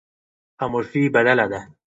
خاموشي بدله ده.